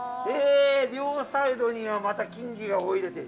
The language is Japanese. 両サイドには、また金魚が泳いでて。